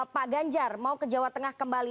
pak ganjar mau ke jawa tengah kembali